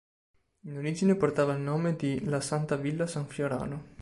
In origine portava il nome di "La Santa-Villa San Fiorano".